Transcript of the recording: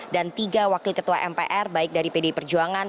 dan tiga wakil ketua mpr baik dari pd perjuangan